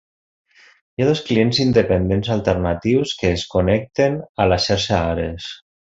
Hi ha dos clients independents alternatius que es connecten a la xarxa Ares.